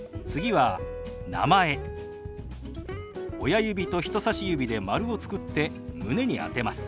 親指と人さし指で丸を作って胸に当てます。